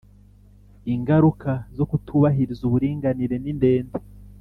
Ingaruka zo kutubahiriza uburinganire nindende